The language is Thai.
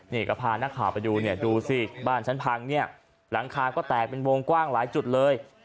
นี่ก็พานักข่าวไปดูเนี่ยดูสิบ้านฉันพังเนี่ยหลังคาก็แตกเป็นวงกว้างหลายจุดเลย